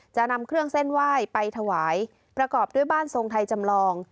จะนำเครื่องเส้นไหว้ไปถวายประกอบด้วยบ้านทรงไทยจำลอง